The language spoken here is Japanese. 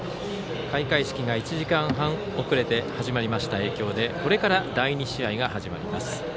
開会式が１時間半遅れで始まりました影響でこれから第２試合が始まります。